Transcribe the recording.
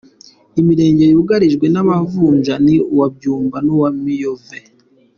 Imirenge yugarijwe n’amavunja ni uwa Byumba n’uwa Miyove.